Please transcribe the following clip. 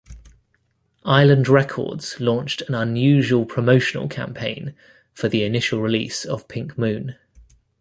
Island Records launched an unusual promotional campaign for the initial release of "Pink Moon".